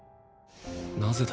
なぜだ？